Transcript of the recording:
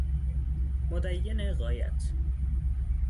مدین غایت